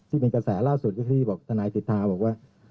ที่เป็นกระแสล่าสุดก็คือที่บอกทนายสิทธาบอกว่า